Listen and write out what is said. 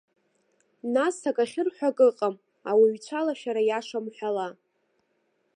Нас ак ахьырҳәо ак ыҟам, ауаҩ ицәалашәара иашам ҳәала.